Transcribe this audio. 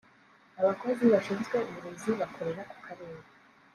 abakozi bashinzwe uburezi bakorera ku Karere